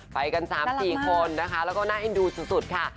ไปกัน๓๔คนนะคะแล้วก็น่าเอ็นดูสุดค่ะ